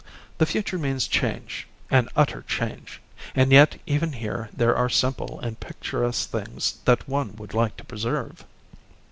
The future means change an utter change. And yet even here there are simple and picturesque things that one would like to preserve."